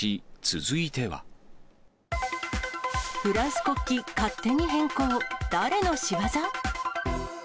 フランス国旗勝手に変更、誰の仕業？